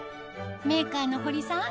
メーカーの堀さん